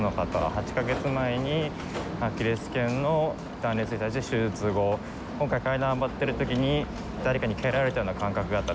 ８か月前にアキレスけんの断裂に対して手術後今回階段を上っている時に誰かに蹴られたような感覚があった。